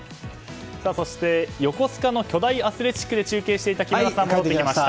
そして、横須賀の巨大アスレチックで中継していた木村さん、戻ってきました。